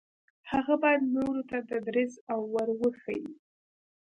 هغه باید نورو ته تدریس او ور وښيي.